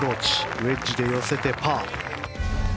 ウェッジで寄せてパー。